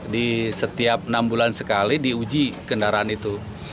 di setiap enam bulan sekali diuji kendaraan itu